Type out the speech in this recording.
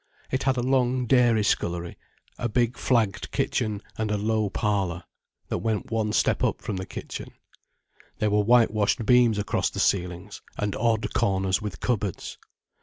It had a long dairy scullery, a big flagged kitchen, and a low parlour, that went up one step from the kitchen. There were whitewashed beams across the ceilings, and odd corners with cupboards.